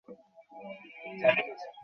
তুমি তাই বোঝাতে চেয়েছিলে।